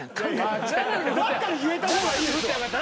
だったら言えた方がいいですわ。